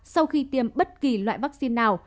sau khi tiêm bất kỳ loại vaccine nào